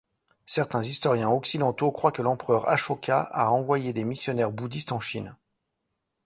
Certains historiens occidentaux croient que l'empereur Ashoka a envoyé des missionnaires bouddhistes en Chine.